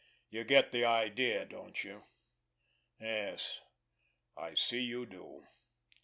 You get the idea, don't you? Yes, I see you do!